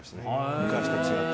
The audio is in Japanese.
昔と違って。